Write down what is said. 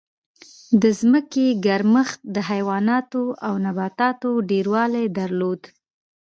د ځمکې ګرمښت د حیواناتو او نباتاتو ډېروالی درلود.